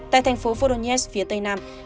tại thành phố voronezh phía tây nam